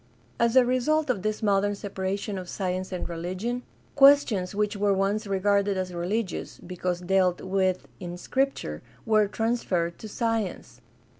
As a result of this modern separation of science and reli gion, questions which were once regarded as religious, because dealt with in Scripture, were transferred to science.